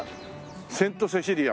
セント・セシリア。